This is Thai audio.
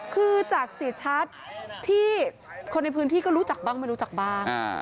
คือจากเสียชัดที่คนในพื้นที่ก็รู้จักบ้างไม่รู้จักบ้าง